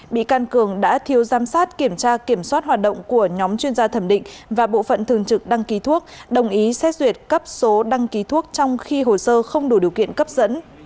bị can cường đã thiêu giám sát kiểm tra kiểm soát hoạt động của nhóm chuyên gia thẩm định và bộ phận thường trực đăng ký thuốc đồng ý xét duyệt cấp số đăng ký thuốc trong khi hồ sơ không đủ điều kiện cấp dẫn